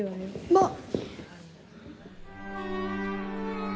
まあ！